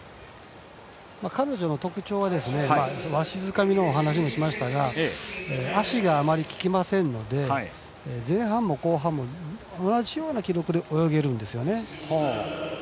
彼女の特徴はわしづかみの話もしましたが足があまりききませんので前半も後半も同じような記録で泳げるんですよね。